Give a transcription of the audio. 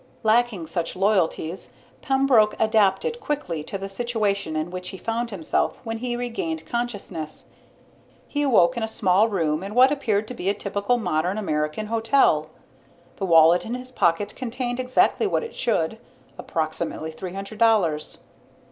Lacking such loyalties, Pembroke adapted quickly to the situation in which he found himself when he regained consciousness. He awoke in a small room in what appeared to be a typical modern American hotel. The wallet in his pocket contained exactly what it should, approximately three hundred dollars.